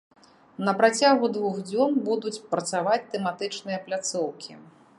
На працягу двух дзён будуць працаваць тэматычныя пляцоўкі.